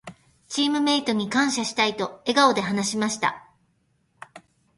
「チームメイトに感謝したい」と笑顔で話しました。